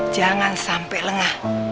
jangan sampai lengah